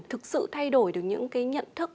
thực sự thay đổi được những cái nhận thức